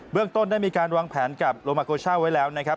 เรื่องต้นได้มีการวางแผนกับโลมาโกช่าไว้แล้วนะครับ